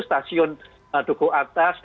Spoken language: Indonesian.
stasiun dukuh atas